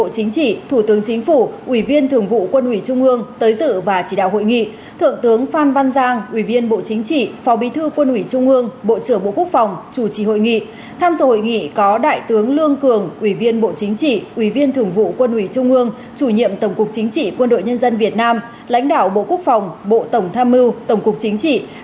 chủ nhiệm tổng cục chính trị quân đội nhân dân việt nam lãnh đạo bộ quốc phòng bộ tổng tham mưu tổng cục chính trị đại biểu các ban bộ ngành trung ương